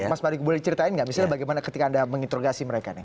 mas mari boleh ceritain nggak misalnya bagaimana ketika anda menginterogasi mereka nih